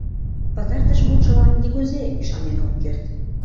Пытартыш мутшылан нигузе ӱшанен ок керт.